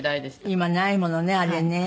今ないものねあれね。